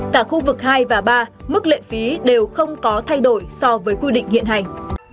cả khu vực hai và ba mức lệ phí đều không có thay đổi so với quy định hiện hành